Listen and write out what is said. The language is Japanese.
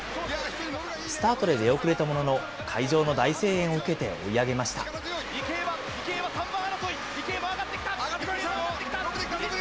スタートから出遅れたものの、会場の大声援を受けて、追い上げ池江は、池江は、３番争い、上がってきましたよ。